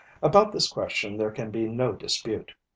About this question there can be no dispute.